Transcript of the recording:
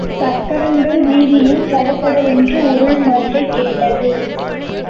சக்கரங்கள் வீதியில் சடசட வென்று உருளும் ஓசை கேட்டது.